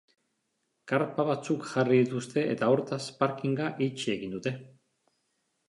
Karpa batzuk jarri dituzte, eta, hortaz, parkinga itxi egin dute.